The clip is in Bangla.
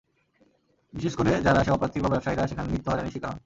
বিশেষ করে যাঁরা সেবাপ্রার্থী বা ব্যবসায়ীরা সেখানে নিত্য হয়রানির শিকার হন।